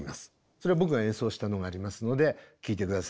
それは僕が演奏したのがありますので聴いて下さい。